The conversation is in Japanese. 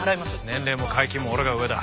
年齢も階級も俺が上だ。